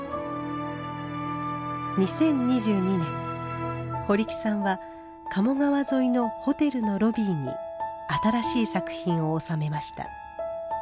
２０２２年堀木さんは鴨川沿いのホテルのロビーに新しい作品を納めました。